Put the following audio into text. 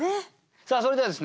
さあそれではですね